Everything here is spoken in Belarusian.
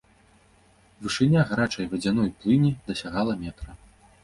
Вышыня гарачай вадзяной плыні дасягала метра.